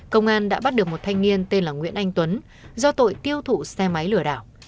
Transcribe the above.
công an đã bắt được một thanh niên tên là nguyễn anh tuấn do tội tiêu thụ xe máy lừa đảo